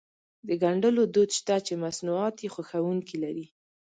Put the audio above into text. د ګنډلو دود شته چې مصنوعات يې خوښوونکي لري.